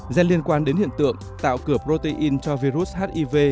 gen liên quan đến hiện tượng tạo cửa protein cho virus hiv